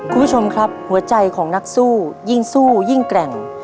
คุณผู้ชมครับหัวใจของนักสู้ยิ่งสู้ยิ่งแกร่ง